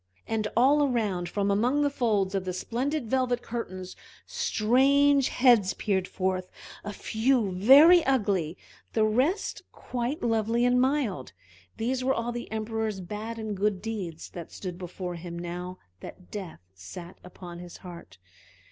And all around, from among the folds of the splendid velvet curtains, strange heads peered forth; a few very ugly, the rest quite lovely and mild. These were all the Emperor's bad and good deeds, that stood before him now that Death sat upon his heart.